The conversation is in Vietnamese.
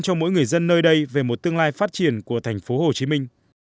cho mỗi người dân nơi đây về một tương lai phát triển của thành phố hồ chí minh